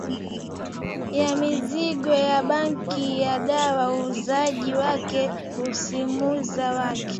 ya maagizo ya bangi ya dawa uuzaji wake na usimamizi wake